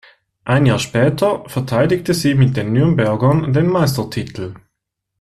Ein Jahr später verteidigte sie mit den Nürnbergern den Meistertitel.